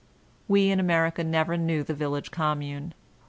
We in America never knew the village commune.